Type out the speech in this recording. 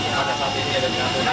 yang pada saat ini ada di natuna